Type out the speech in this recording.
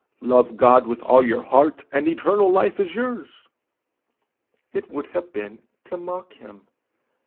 'Love God with all your heart, and eternal life is yours:' it would have been to mock him.